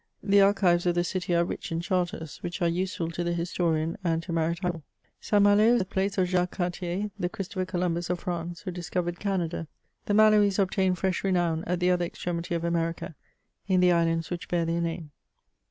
The archives of the city are rich in charters, which are useful to the historian and to maritime law. St. Malo is the birth place of Jacques Cartier, the Christo pher Columbus of France, who discovered Canada. The Maloese obtained fresh renown at the other extremity of America in the islands which bear their name.